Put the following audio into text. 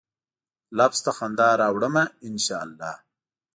لفظ ته خندا راوړمه ، ان شا الله